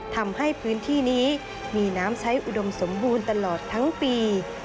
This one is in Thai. ทำให้พื้นที่นี้มีน้ำใช้อุดมสมบูรณ์ตลอดทั้งปี